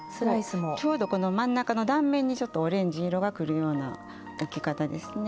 ちょうどこの真ん中の断面にちょっとオレンジ色がくるような置き方ですね。